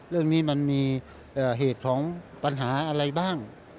เรื่องนี้มันมีเหตุของปัญหาอะไรบ้าง